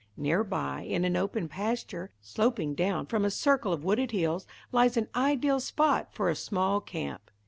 Near by, in an open pasture, sloping down from a circle of wooded hills, lies an ideal spot for a small camp.